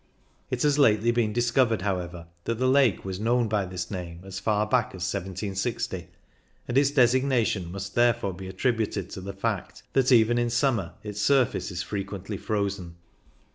It has lately been discovered, however, that the lake was known by this name as far 132 CYCUNG IN THE ALPS back as 1760, and its designation must therefore be attributed to the fact that even in summer its surface is frequently frozen.